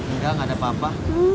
enggak enggak ada apa apa